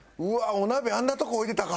お鍋あんなとこ置いてたか！